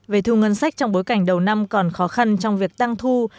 về thu ngân sách trong bối cảnh đầu năm còn khó khăn trong việc tăng thu